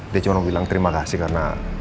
dia cuma bilang terima kasih karena